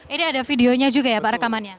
ini ada videonya juga ya pak rekamannya